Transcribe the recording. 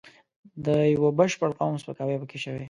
د یوه بشپړ قوم سپکاوی پکې شوی.